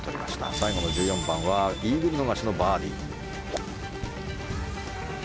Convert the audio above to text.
最後の１４番はイーグル逃しのバーディー。